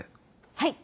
はい。